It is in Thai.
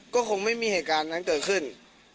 ก็คงไม่มีเหตุการณ์นั้นเกิดขึ้น